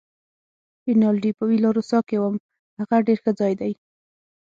رینالډي: په ویلا روسا کې وم، هغه ډېر ښه ځای دی.